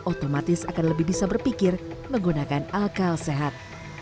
otomatis akan lebih bisa berpikir menggunakan akal sehat